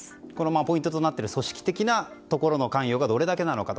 ポイントとなっている組織的なところの関与がどれだけなのかと。